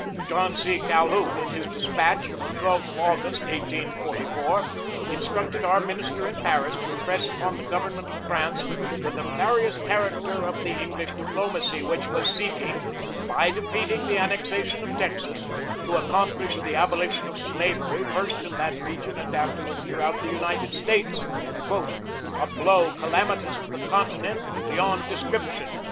John C. Calhoun, in his dispatch of the 12th of August, 1844, instructed our minister in Paris to impress upon the Government of France the nefarious character of the English diplomacy, which was seeking, by defeating the annexation of Texas, to accomplish the abolition of slavery first in that region, and afterwards throughout the United States, "a blow calamitous to this continent beyond description."